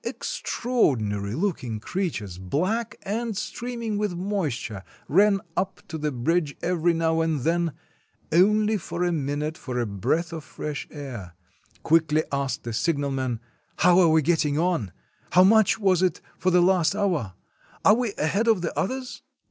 Extraor dinary looking creatures — black and streaming with moisture — ran up to the bridge every now and then, ''only for one minute, for a breath of fresh air," quickly asked the signalman: "How are we getting on? How much was it for the last hour? Are we ahead of the others?"